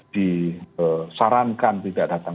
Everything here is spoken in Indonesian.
disarankan tidak datang